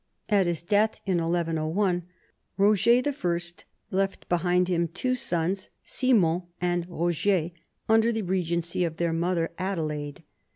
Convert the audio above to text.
At his death in 1 101 Roger I left behind him two sons, Simon and Roger, under the regency of their mother Adelaide.